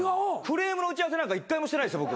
クレームの打ち合わせなんか１回もしてないっすよ